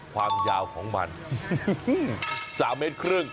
ความยาวของมัน๓เมตรครึ่ง